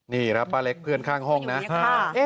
นี่นะป้าเล็กเพื่อนข้างห้องนะนี่อยู่ในห้อง